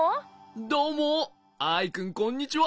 どうもアイくんこんにちは。